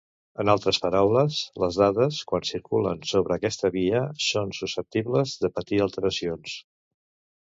En altres paraules, les dades, quan circulen sobre aquesta via, són susceptible de patir alteracions.